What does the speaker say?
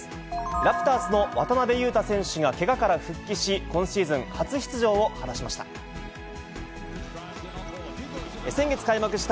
ラプターズの渡邊雄太選手がけがから復帰し、今シーズン初出場を果たしました。